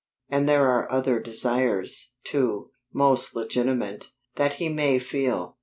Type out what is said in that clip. And there are other desires, too, most legitimate, that he may feel.